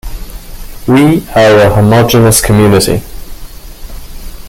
We are a homogeneous community.